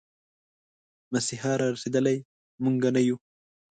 مسيحا را رسېدلی، موږه نه يو